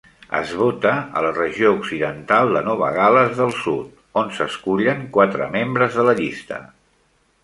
Es vota a la regió occidental de Nova Gal·les del Sud, on s'escullen quatre membres de la llista.